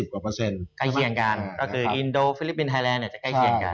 ก็ก็คืออินโดฟิลิปปินท์ไทยแลนด์จะใกล้เคี่ยกกัน